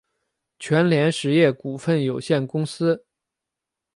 全联实业股份有限公司